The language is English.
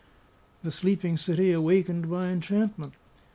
The sleeping city awakened by enchantment.